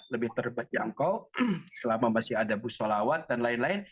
lebih terbatjangkau selama masih ada busolawat dan lain lain